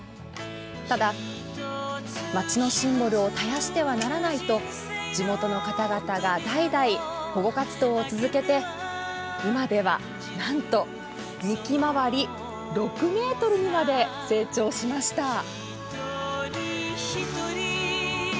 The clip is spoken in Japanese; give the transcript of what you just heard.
ただ、町のシンボルを絶やしてはならないと地元の方々が代々保護活動を続けて今では、なんと幹回り６ｍにまで成長しました。